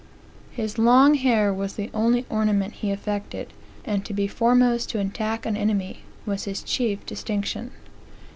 "His long hair was the only ornament he affected, and to be foremost to attack an enemy was his chief distinction.